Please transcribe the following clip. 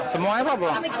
semuanya apa bang